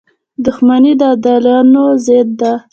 • دښمني د عادلانو ضد ده.